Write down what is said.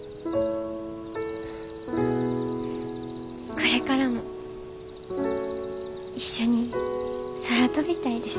これからも一緒に空飛びたいです。